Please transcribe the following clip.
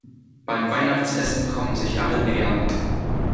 Beim Weihnachtsessen kommen sich alle näher.